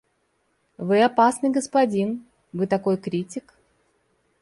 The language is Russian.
Вы опасный господин; вы такой критик.